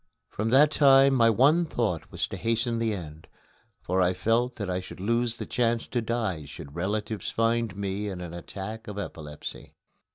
From that time my one thought was to hasten the end, for I felt that I should lose the chance to die should relatives find me in an attack of epilepsy.